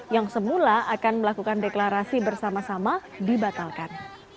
yang semula akan melakukan deklarasi bersama sama dibatalkan